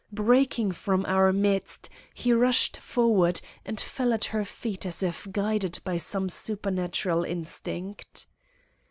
Breaking from our midst, he rushed forward, and fell at her feet as if guided by some supernatural instinct.